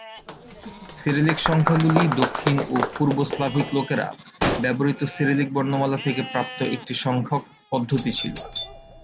Cyrillic সংখ্যাগুলি দক্ষিণ ও পূর্ব স্লাভিক লোকেরা ব্যবহৃত সিরিলিক বর্ণমালা থেকে প্রাপ্ত একটি সংখ্যক পদ্ধতি ছিল।